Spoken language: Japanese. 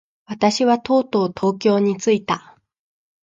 私はとうとう東京に着いた。